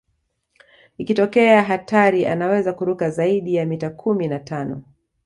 Ikitokea hatari anaweza kuruka zaidi ya mita kumi na tano